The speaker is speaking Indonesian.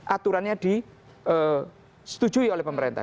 aturannya disetujui oleh pemerintah